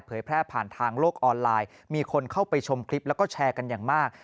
แพร่ผ่านทางโลกออนไลน์มีคนเข้าไปชมคลิปแล้วก็แชร์กันอย่างมาก